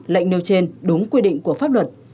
lệnh nêu trên đúng quy định của pháp luật